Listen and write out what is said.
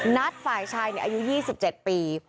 นัดฝ่ายชายอายุ๒๗ปี